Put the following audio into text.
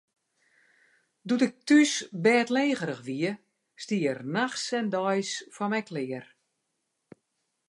Doe't ik thús bêdlegerich wie, stie er nachts en deis foar my klear.